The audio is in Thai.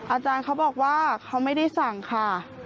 อาจารย์เขาบอกว่าเขาไม่ได้สั่งค่ะ